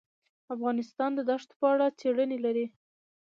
افغانستان د دښتو په اړه څېړنې لري.